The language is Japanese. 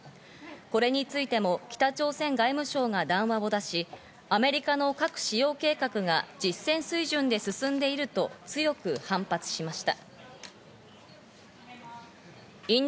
これについても北朝鮮外務省が談話を出し、アメリカの核使用計画が実戦水準で進んでいると強く反発しました。